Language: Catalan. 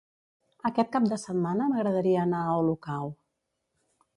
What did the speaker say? Aquest cap de setmana m'agradaria anar a Olocau.